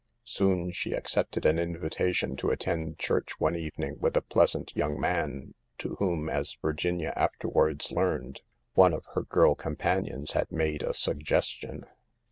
Soon she ac cepted an invitation to attend church one evening with a pleasant young man, to whom, as Virginia afterwards learned, one of her girl companions had made a suggestion.